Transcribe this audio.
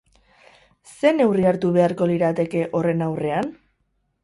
Zer neurri hartu beharko lirateke horren aurrean?